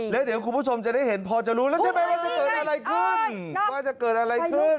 แล้วเดี๋ยวคุณผู้ชมจะได้เห็นพอแล้วใช่ไหมว่าจะเกิดอะไรขึ้น